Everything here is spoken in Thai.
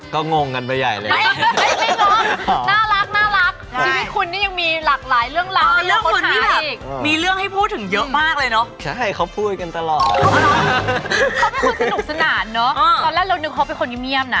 ตอนแรกเรานึกเขาเป็นคนเงียบนะ